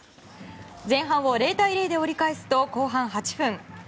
前半を０対０で折り返すと後半８分。